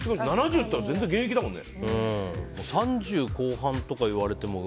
７０っていったら現役だもんね。